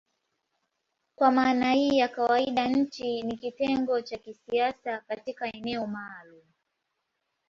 Kwa maana hii ya kawaida nchi ni kitengo cha kisiasa katika eneo maalumu.